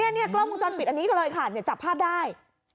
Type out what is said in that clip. นี่กล้องมูลจันทร์ปิดอันนี้เลยค่ะจะจับภาพได้